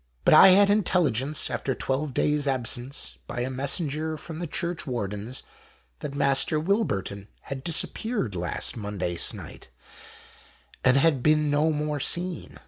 But I had intelligence, after 12 days' absence, by a messenger from the Churchwardens, that Master Wilburton had disappeared last Monday sennight, and had been no more seen.